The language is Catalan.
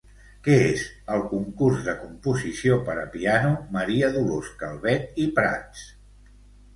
Què és el "Concurs de Composició per a Piano Maria Dolors Calvet i Prats"?